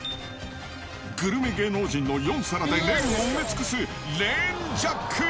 グルメ芸能人の４皿でレーンを埋め尽くすレーンジャック。